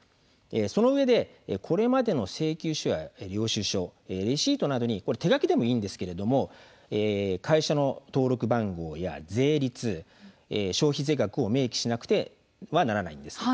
そのうえでこれまでの請求書や領収書レシートなどに手書きでもいいんですが会社の登録番号や税率、消費税額を明記しなくてはならないんです。